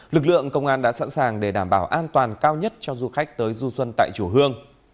lực lượng công an đã sẵn sàng để đảm bảo an toàn cao nhất cho du khách tới du xuân tại chùa hương